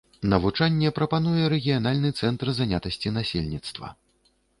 Навучанне прапануе рэгіянальны цэнтр занятасці насельніцтва.